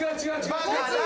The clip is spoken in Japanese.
バカだ。